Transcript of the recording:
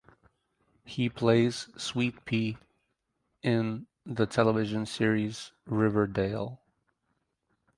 He plays Sweet Pea in the television series "Riverdale".